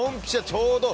ちょうど。